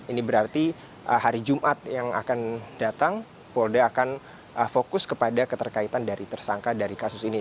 ini berarti hari jumat yang akan datang polda akan fokus kepada keterkaitan dari tersangka dari kasus ini